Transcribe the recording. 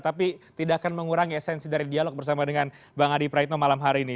tapi tidak akan mengurangi esensi dari dialog bersama dengan bang adi praitno malam hari ini